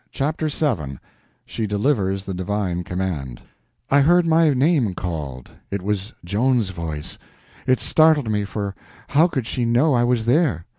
Chapter 7 She Delivers the Divine Command I HEARD my name called. It was Joan's voice. It startled me, for how could she know I was there?